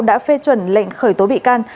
đã phê chuẩn lệnh khởi tố bị can